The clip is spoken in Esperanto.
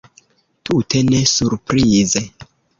Tute ne surprize.